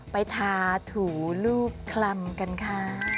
ไปทาถูรูปคลำกันค่ะ